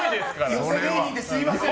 寄席芸人で、すみません。